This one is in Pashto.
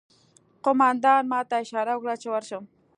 قومندان ماته اشاره وکړه چې ورشم